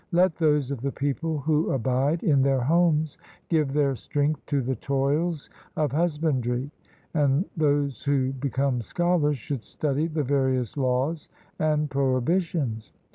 Let those of the people who abide in their homes give their strength to the toils of hus bandry, and those who become scholars should study the various laws and prohibitions.